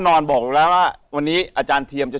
สนุนโดยผลิตภัณฑ์เสิร์ฟอาหารคอลล่าเจน